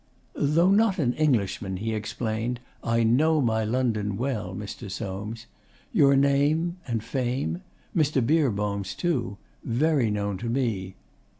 'Though not an Englishman,' he explained, 'I know my London well, Mr. Soames. Your name and fame Mr. Beerbohm's too very known to me.